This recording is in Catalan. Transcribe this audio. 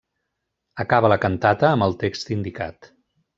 Acaba la cantata amb el text indicat.